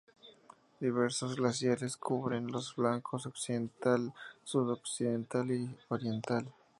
Diversos glaciares cubren los flancos occidental, sudoccidental y oriental.